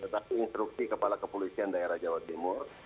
tetapi instruksi kepala kepolisian daerah jawa timur